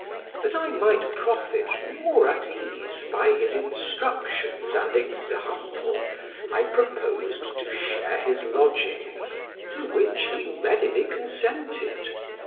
That I might profit more at ease by his instructions and example, I proposed to share his lodgings, to which he readily consented.